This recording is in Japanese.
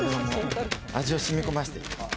味をしみこませていく。